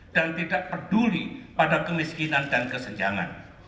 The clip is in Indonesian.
dan tidak peduli pada kemiskinan dan kesejahteraan